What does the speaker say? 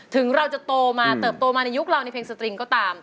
ถึงเราจะโตมาเติบโตมาในยุคเราในเพลงสตริงก็ตาม